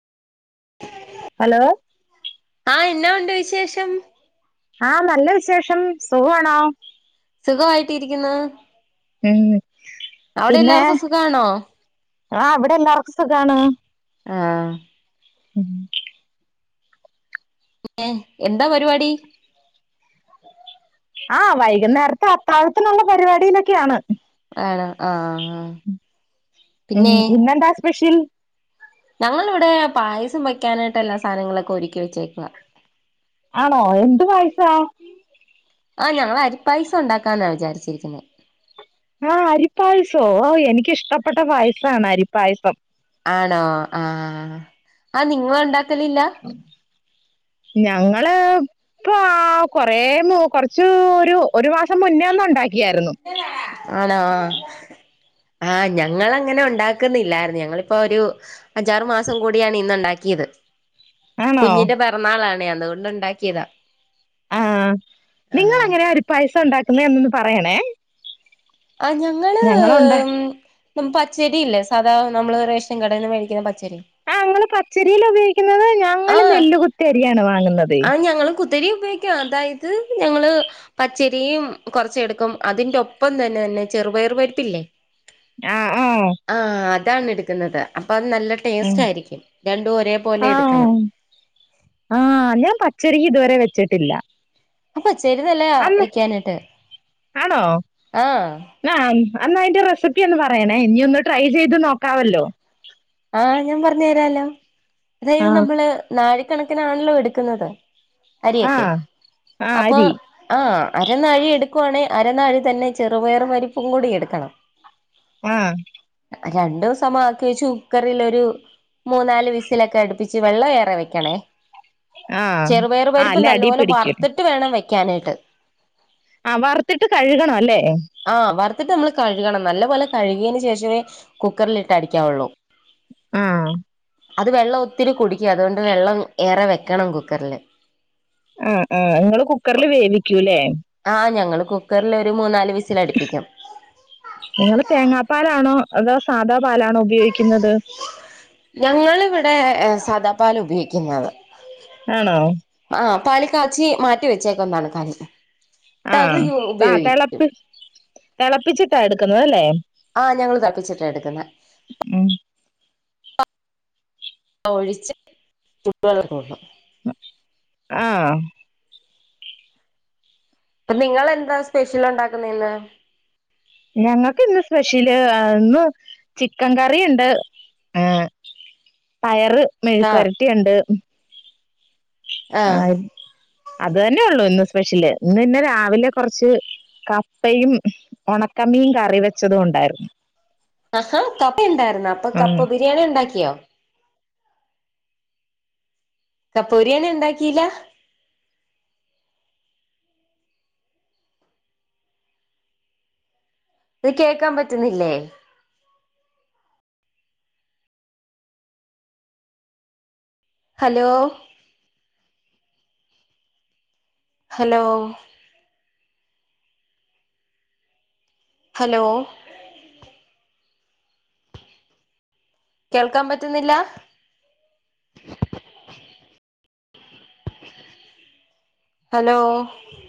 [inaudible] Hello ആ എന്നാ ഉണ്ട് വിശേഷം. ആഹ് നല്ല വിശേഷം സുഗാണോ? സുഖമായിട്ടിരിക്കുന്നു ഉം അവിടെ പിന്നെ എല്ലാവർക്കും സുഖാണോ ആ അവിടെ എല്ലാർക്കും സുഖാണ്. ആഹ് ഏ എന്താ പരിപാടി. ആ വൈകുന്നേരത്തെ അത്താഴത്തിനുള്ള പരിപാടിയിലൊക്കെയാണ്. ആണോ ആഹ് ആഹ് ഉം പിന്നെ ഇന്നെന്താ സ്പെഷ്യൽ? ഞങ്ങളിവിടെ പായസം വയ്ക്കാനായിട്ട് എല്ലാ സാധനങ്ങളൊക്കെ ഒരുക്കി വെച്ചേക്കുവാ. ആണോ എന്ത് പായസാ. ആ ഞങ്ങൾ അരിപായസം ഉണ്ടാക്കാന്നാ വിചാരിച്ചിരിക്കുന്നത്. ആഹ് അരിപ്പായസോ എനിക്ക് ഇഷ്ടപ്പെട്ട പായസമാണ് അരിപ്പായസം. ആണോ ആഹ് ആഹ് നിങ്ങൾ ഉണ്ടാക്കലില്ല. ഞങ്ങള്. ഇപ്പ ആ കൊറേ കൊറച്ച് ഒരു ഒരു മാസം മുന്നേ ഒന്ന് ഉണ്ടാക്കിയായിരുന്നു. ആണ ആഹ് ആഹ് ഞങ്ങൾ അങ്ങനെ ഉണ്ടാക്കുന്നില്ലായിരുന്നു ഞങ്ങളിപ്പോ ഒരു. അഞ്ചാറു മാസം കൂടിയാണ് ഇന്നുണ്ടാക്കിയത്. ആണോ കുഞ്ഞിന്റെ പിറന്നാളാണേ അതുകൊണ്ട് ഉണ്ടാക്കിയതാ. ആ നിങ്ങൾ ആഹ് എങ്ങനെയാ അരി പായസം ഉണ്ടാക്കുന്നതന്നൊന്ന് പറയണേ. ആഹ് ഞങ്ങള് ഞങ്ങളുണ്ട പച്ചരി ഇല്ലേ സാധാ നമ്മൾ റേഷൻ കടയിൽ നിന്ന് മേടിക്കുന്ന പച്ചരി. നിങ്ങൾ പച്ചരില ഉപയോഗിക്കുന്നത് ഞങ്ങൾ ആഹ് നെല്ലുകുത്തിഅരിയാണ് വാങ്ങുന്നത്. ആ ഞങ്ങൾ കുത്തരി ഉപയോഗിക്കാം അതായത് ഞങ്ങള് പച്ചരിയും കുറച്ച് എടുക്കും അതിന്റെ ഒപ്പം തന്നെ തന്നെ ചെറുപയറു പരിപ്പില്ലേ. ആഹ് ആഹ് ആ അതാണ് എടുക്കുന്നത് അപ്പൊ അത് നല്ല ഉം ടേസ്റ്റ് ആയിരിക്കും രണ്ടും ഒരേ പോലെ ആഹ് എടുക്കണം ആഹ് ഞാൻ പച്ചരിക്ക് ഇതുവരെ വെച്ചിട്ടില്ല. ആഹ് പചെരി നല്ലയ അന്ന് വെക്കാനായിട്ട് ആഹ്. ആ ന്നാഅയിന്റെ റെസിപ്പി ഒന്ന് പറയണേ ഇനി ഒന്ന് ട്രൈ ചെയ്ത് നോക്കാവല്ലോ. ആഹ് ഞാൻ പറഞ്ഞ് തരാലോ അതായത് ആഹ് നമ്മള്. നാഴി കണക്കിനാണല്ലോ എടുക്കുന്നത് അരിയൊക്കെ ആഹ് ആഹ് അപ്പൊ. അരി ആഹ് അരനാഴി എടുക്കുവാണെ അരനാഴി തന്നെ ചെറുപയർ പരിപ്പും കൂടി എടുക്കണം. ആഹ്. രണ്ടു സമാക്ക ച്ചു കുക്കറിൽ ഒരു മൂന്നാല് വിസിലൊക്കെ അടുപ്പിച്ച് വെള്ളം ഏറെ വെക്കണേ. ആഹ് ആഹ് ചെറുപയറുപരിപ്പ് അല്ല അടി നല്ലപോലെ പിടിക്കും വറുത്തിട്ട് വേണം വെക്കാനായിട്ട്. ആ വറുത്തിട്ട് കഴുകണം അല്ലേ? ആഹ് വറുത്തിട്ട് നമ്മൾ കഴുകണം നല്ല പോലെ കഴുകിയതിന് ശേഷമേ കുക്കറിലിട്ട് അടിക്കാവുള്ളൂ. ആഹ്. അത് വെള്ളം ഒത്തിരി കുടിക്കും അതുകൊണ്ട് വെള്ളം ഏറെ വെക്കണം കുക്കറിൽ. ആഹ് ആഹ് നിങ്ങൾ കുക്കറിൽ വേവിക്കൂല്ലേ. ആഹ് ഞങ്ങൾ കുക്കറിൽ ഒരു മൂന്നാല് വിസിൽ അടിപ്പികും. ഇങ്ങൾ തേങ്ങാ പാലാണോ അതോ സാദാ പാലാണോ ഉപയോഗിക്കുന്നത്. ഞങ്ങളിവിടെ സാദാപാൽ ഉപയോഗിക്കുന്നത്. ആണോ. ആ പാൽ ക്കാച്ചി മാറ്റിവെച്ചേക്കന്നാണ് പാൽ ന്നിട്ട് അത് ആഹ് ആഹ് ഉപയോഗിക്കും. തിളപ്പി തിളപ്പിച്ചിട്ടാ എടുക്കുന്നതല്ലേ. ആഹ് ഞങ്ങൾ തളപ്പിച്ചിട്ടാ എടുക്കുന്നേ. ഉം ഒഴിച്ച് ചൂടുവെള്ളം കൊടുക്കണം. അഹ്, ആഹ്. പ്പ നിങ്ങളെന്താ സ്പെഷ്യലുണ്ടാക്കുന്നെ ഇന്ന്? ഞങ്ങക്കിന്ന് സ്പെഷ്യല് ഹ് ഇന്ന് ചിക്കൻ കറിയുണ്ട് ഏഹ്. പയറ് ആഹ് മെഴുക്ക്വരട്ടിണ്ട് ഹ്. ആഹ് അത് തന്നെ ഒള്ളു ഇന്ന് സ്പെഷ്യല് ഇന്ന്ന്നെ രാവിലെ കൊറച്ച്. കപ്പയും ഒണക്കമീൻ കറി വെച്ചതുണ്ടായിരുന്നു. ആഹ കപ്പ ഉണ്ടായിരുന്നോ അപ്പൊ ഉം കപ്പ ബിരിയാണി ണ്ടാക്കിയോ? കപ്പ ബിരിയാണിണ്ടാക്കീലാഹ്. ഇത് കേക്കാൻ പറ്റുന്നില്ലേ? ഹലോ? ഹലോ? ഹലോ? കേൾക്കാൻ പറ്റുന്നില്ല? ഹലോ?